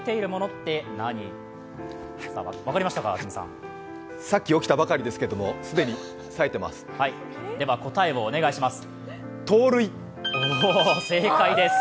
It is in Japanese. さっき起きたばかりですけども、既にさえています。